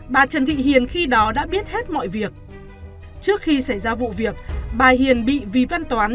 bà trần thị hiền khi đó đã biết hết mọi việc trước khi xảy ra vụ việc bà hiền bị văn toán